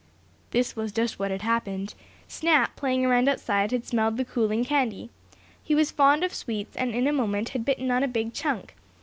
This was just what had happened. Snap, playing around outside, had smelled the cooling candy. He was fond of sweets and in a moment had bitten on a big chunk.